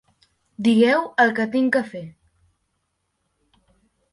-Digueu el que tinc de fer.